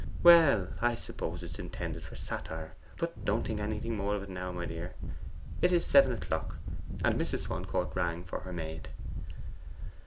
'Well, I suppose it is intended for satire; but don't think anything more of it now, my dear. It is seven o'clock.' And Mrs. Swancourt rang for her maid.